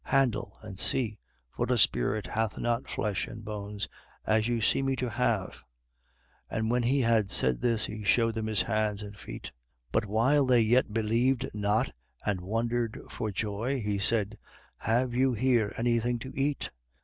Handle, and see: for a spirit hath not flesh and bones, as you see me to have. 24:40. And when he had said this, he shewed them his hands and feet. 24:41. But while they yet believed not and wondered for joy, he said: Have you here any thing to eat?